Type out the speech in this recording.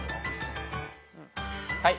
はい。